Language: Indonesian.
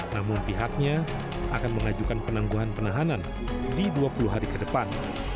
namun pihaknya akan mengajukan penangguhan penahanan di dua puluh hari ke depan